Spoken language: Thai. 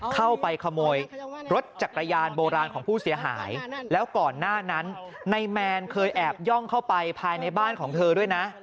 เข้าไปขโมยรถจักรยานโบราณของผู้เสียหายแล้วก่อนหน้านั้นนายแมนเคยแอบย่องเข้าไปภายในบ้านของเธอด้วยนะ